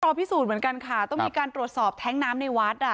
พิสูจน์เหมือนกันค่ะต้องมีการตรวจสอบแท้งน้ำในวัดอ่ะ